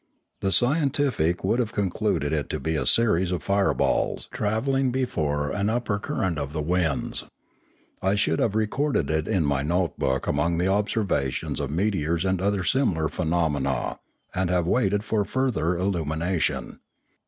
The scientific would have concluded it to be a series of fireballs travelling before an upper current of the winds. I should have recorded it in my note book among the observations of meteors and other similar phenomena, and have waited further illumination.